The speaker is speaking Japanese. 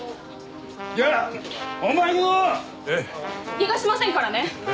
逃がしませんからね！